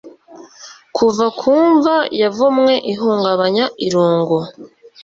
kuva ku mva yavumwe ihungabanya irungu